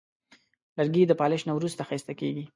لرګی د پالش نه وروسته ښایسته کېږي.